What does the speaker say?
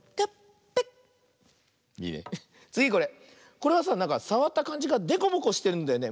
これはさなんかさわったかんじがでこぼこしてるんだよね。